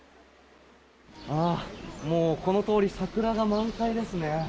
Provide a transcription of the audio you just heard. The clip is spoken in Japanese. もう、このとおり桜が満開ですね。